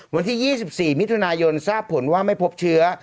วันที่๒๔มิถุนายนทราบผลว่าไม่พบเชื้อ